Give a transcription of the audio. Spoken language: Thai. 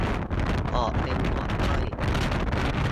ออกเป็นหมวดย่อย